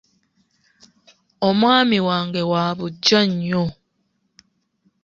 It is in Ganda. Omwami wange wa buggya nnyo.